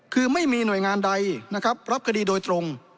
คือไม่มีหน่วยงานใดนะครับรับคดีโดยตรง